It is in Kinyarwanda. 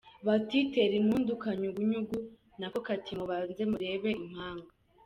Bati: tera impundu kanyugunyugu, nako kati mubanze murebe impanga.